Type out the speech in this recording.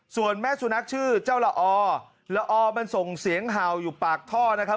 ส่วนแม่สุนัขชื่อเจ้าละอละออมันส่งเสียงเห่าอยู่ปากท่อนะครับ